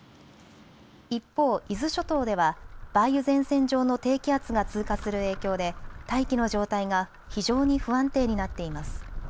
一方、伊豆諸島では梅雨前線上の低気圧が通過する影響で大気の状態が非常に不安定になっています。